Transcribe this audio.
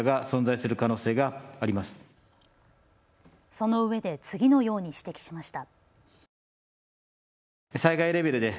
そのうえで次のように指摘しました。